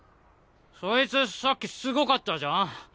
そいつさっきすごかったじゃん？